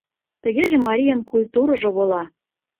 Тыгеже марийын культурыжо вола.